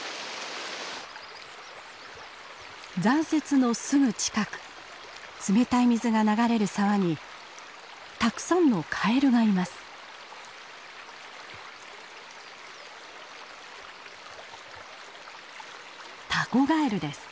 残雪のすぐ近く冷たい水が流れる沢にたくさんのカエルがいます。